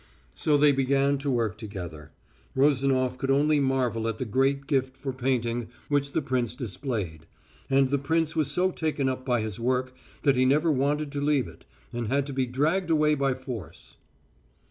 So they began to work together. Rozanof could only marvel at the great gift for painting which the prince displayed. And the prince was so taken up by his work that he never wanted to leave it, and had to be dragged away by force.